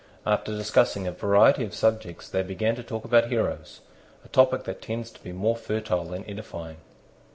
After discussing a variety of subjects they began to talk about heroes, a topic that tends to be more fertile than edifying.